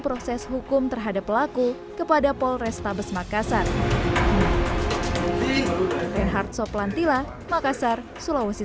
proses hukum terhadap pelaku kepada polrestabes makassar reinhard soplantila makassar sulawesi